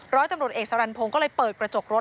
ร้อยตำรวจเอกสรรพงศ์ก็เลยเปิดกระจกรถ